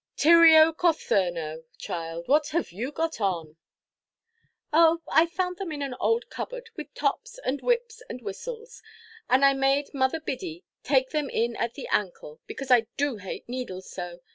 Tyrio cothurno! child, what have you got on?" "Oh, I found them in an old cupboard, with tops, and whips, and whistles; and I made Mother Biddy take them in at the ancle, because I do hate needles so.